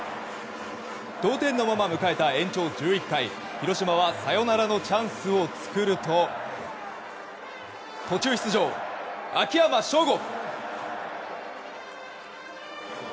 同点のまま迎えた延長１１回広島はサヨナラのチャンスを作ると途中出場、秋山翔吾！